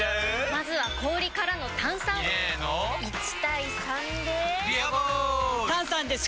まずは氷からの炭酸！入れの１：３で「ビアボール」！